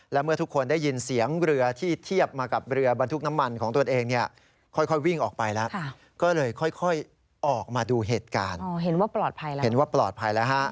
เห็นว่าปลอดภัยแล้วฮะ